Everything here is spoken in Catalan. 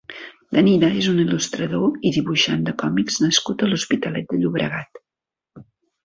Danide és un il·lustrador i dibuixant de còmics nascut a l'Hospitalet de Llobregat.